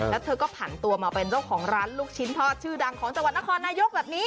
แล้วเธอก็ผันตัวมาเป็นเจ้าของร้านลูกชิ้นทอดชื่อดังของจังหวัดนครนายกแบบนี้